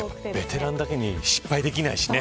ベテランだけに失敗できないしね。